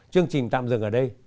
chương trình tạm dừng ở đây